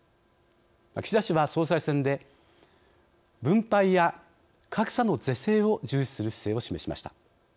岸田氏は、総裁選で分配や格差の是正を重視する姿勢を示しました。